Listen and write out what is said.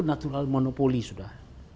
natural monopoly sudah